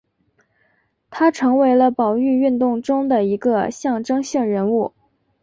他成为了保育运动中的一个象征性人物。